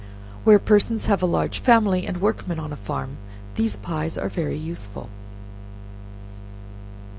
Where persons have a large family, and workmen on a farm, these pies are very useful.